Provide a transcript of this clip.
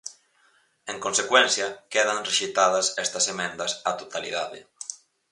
En consecuencia, quedan rexeitadas estas emendas á totalidade.